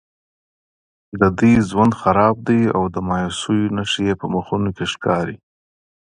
د دوی ژوند خراب دی او د مایوسیو نښې په مخونو کې ښکاري.